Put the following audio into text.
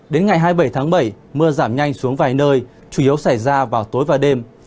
đến ngày hai mươi bảy tháng bảy mưa giảm nhanh xuống vài nơi chủ yếu xảy ra vào tối và đêm